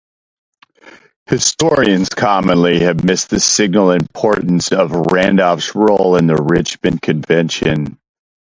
Historians commonly have missed the signal importance of Randolph's role in the Richmond Convention.